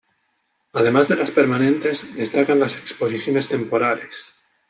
Además de las permanentes, destacan las exposiciones temporales.